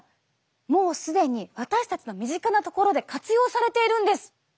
もう既に私たちの身近なところで活用されているんです！